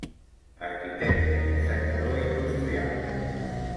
Arquitecte i dissenyador industrial.